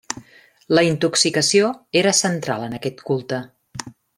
La intoxicació era central en aquest culte.